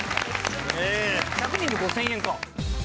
１００人に５０００円か。